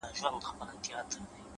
پرمختګ د زده کړې له دوام زېږي’